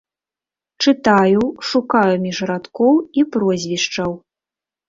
Чытаю, шукаю між радкоў і прозвішчаў.